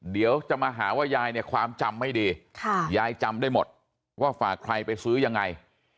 เดี๋ยวจะมาหาว่ายายเนี่ยความจำไม่ดียายจำได้หมดว่าฝากใครไปซื้อยังไง